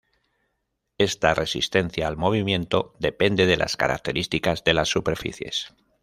Esta resistencia al movimiento depende de las características de las superficies.